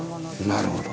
なるほど。